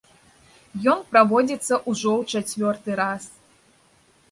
Ён праводзіцца ўжо ў чацвёрты раз.